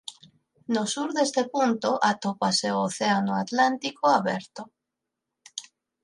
No sur deste punto atópase o Océano Atlántico aberto.